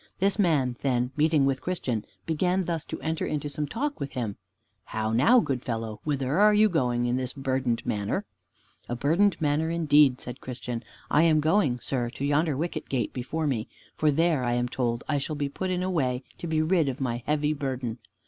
This man, then, meeting with Christian, began thus to enter into some talk with him: "How now, good fellow, whither are you going in this burdened manner?" "A burdened manner indeed," said Christian. "I am going, sir, to yonder Wicket gate before me, for there, I am told, I shall be put into a way to be rid of my heavy burden."